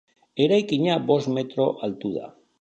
Eraikina bost metro altu da.